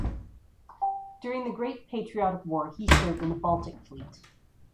During the Great Patriotic War he served in the Baltic Fleet.